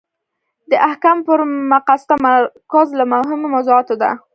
د احکامو پر مقاصدو تمرکز له مهمو موضوعاتو ده.